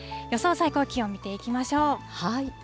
最高気温見ていきましょう。